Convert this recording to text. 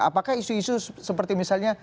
apakah isu isu seperti misalnya